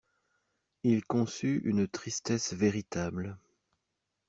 Il conçut une tristesse véritable.